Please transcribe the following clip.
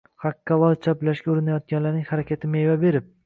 – haqqa loy chaplashga urinayotganlarning harakati meva berib